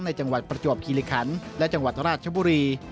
จังหวัดประจวบคิริคันและจังหวัดราชบุรี